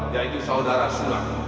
yaitu saudara sulam